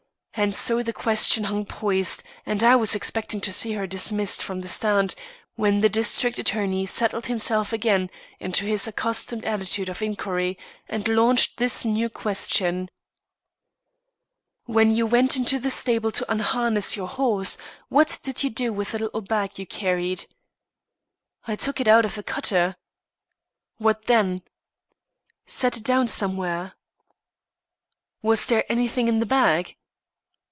And so the question hung poised, and I was expecting to see her dismissed from the stand, when the district attorney settled himself again into his accustomed attitude of inquiry, and launched this new question: "When you went into the stable to unharness your horse, what did you do with the little bag you carried?" "I took it out of the cutter." "What, then?" "Set it down somewhere." "Was there anything in the bag?"